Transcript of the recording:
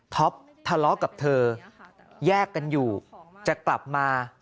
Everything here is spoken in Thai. ทะเลาะกับเธอแยกกันอยู่จะกลับมา